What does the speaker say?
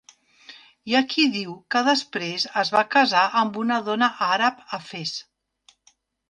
Hi ha qui diu que després es va casar amb una dona àrab a Fes.